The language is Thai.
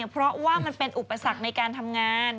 เพราะว่ามันเป็นอุปสรรคในการทำงาน